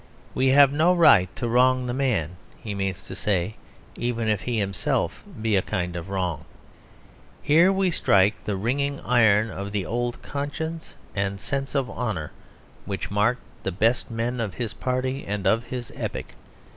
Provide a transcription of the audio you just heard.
We have no right to wrong the man, he means to say, even if he himself be a kind of wrong. Here we strike the ringing iron of the old conscience and sense of honour which marked the best men of his party and of his epoch.